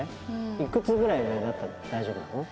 いくつぐらい上だったら大丈夫なの？